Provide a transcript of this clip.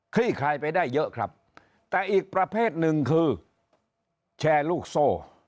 ลี่คลายไปได้เยอะครับแต่อีกประเภทหนึ่งคือแชร์ลูกโซ่